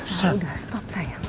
elsa udah stop sayang